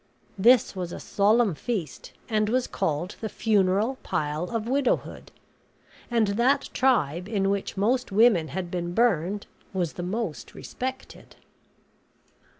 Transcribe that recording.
This was a solemn feast and was called the Funeral Pile of Widowhood, and that tribe in which most women had been burned was the most respected.